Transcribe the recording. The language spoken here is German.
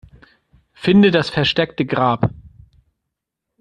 Finde das versteckte Grab.